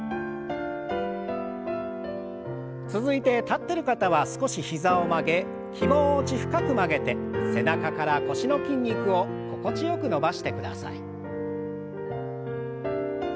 続いて立ってる方は少し膝を曲げ気持ち深く曲げて背中から腰の筋肉を心地よく伸ばしてください。